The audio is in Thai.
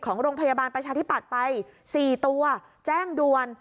ของโรงพยาบาลประชาธิปัตย์ไป๔ตัวแจ้งด่วน